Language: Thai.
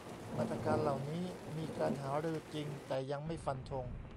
มาตรการเหล่านี้มีการหารือจริง แต่ยังไม่ฟันธง